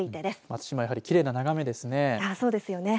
松島、やはりきれいな眺めですね。